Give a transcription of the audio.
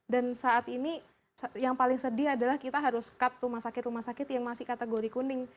dan saat ini yang paling sedih adalah kita harus cut rumah sakit rumah sakit yang masih kategori kuning